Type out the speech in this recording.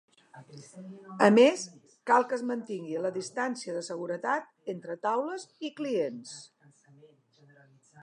A més, cal que es mantingui la distància de seguretat entre taules i clients.